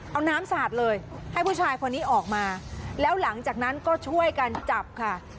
เอาน้ำสาดเลยให้ผู้ชายคนนี้ออกมาแล้วหลังจากนั้นก็ช่วยกันจับค่ะ